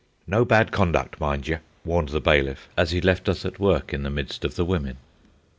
"No bad conduct, mind ye," warned the bailiff, as he left us at work in the midst of the women.